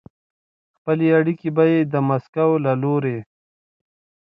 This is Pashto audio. خپلې اړیکې به یې د مسکو له لوري